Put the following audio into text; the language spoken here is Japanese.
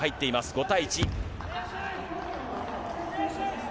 ５対１。